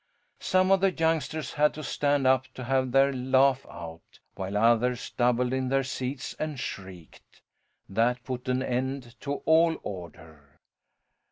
Some of the youngsters had to stand up to have their laugh out, while others doubled in their seats, and shrieked. That put an end to all order.